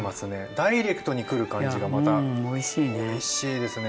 ダイレクトにくる感じがまたおいしいですね。